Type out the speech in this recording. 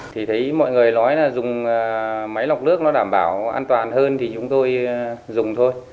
thì thấy mọi người nói là dùng máy lọc nước nó đảm bảo an toàn hơn thì chúng tôi dùng thôi